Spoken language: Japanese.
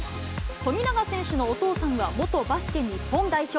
富永選手のお父さんは元バスケ日本代表。